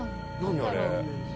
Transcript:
あれ」